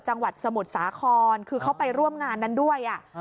จังหวัดสมุทรสาครคือเขาไปร่วมงานนั้นด้วย